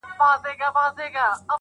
مصیبت دي پر وېښتانو راوستلی؟!.